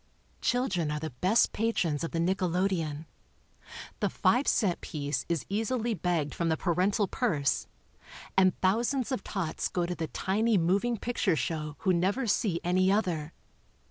Children are the best patrons of the nickelodeon. The five cent piece is easily begged from the parental purse, and thou sands of tots go to the tiny moving picture show who never see any other.